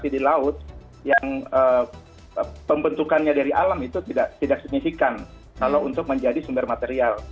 di laut yang pembentukannya dari alam itu tidak signifikan kalau untuk menjadi sumber material